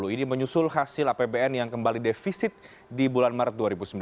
ini menyusul hasil apbn yang kembali defisit di bulan maret dua ribu sembilan belas